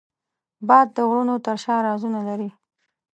باد د غرونو تر شا رازونه لري